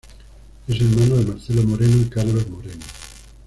Es hermano de Marcelo Moreno y Carlos Moreno.